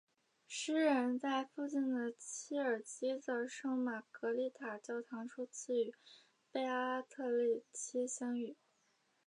诗人在附近的切尔基的圣玛格丽塔教堂初次与贝阿特丽切相遇。